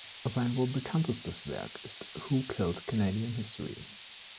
Sein wohl bekanntestes Werk ist "Who Killed Canadian History?"